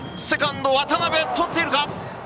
セカンド渡辺とっているか。